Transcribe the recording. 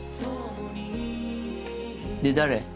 で誰？